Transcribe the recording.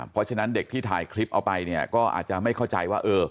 เพราะฉะนั้นเด็กที่ถ่ายคลิปเอาไปเนี่ยก็อาจจะไม่เข้าใจว่า